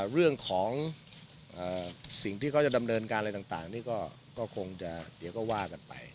เรื่องของสิ่งที่เขาจะดำเนินการอะไรต่างนี่ก็คงจะเดี๋ยวก็ว่ากันไป